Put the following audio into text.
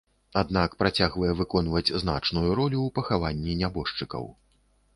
Аднак працягвае выконваць значную ролю ў пахаванні нябожчыкаў.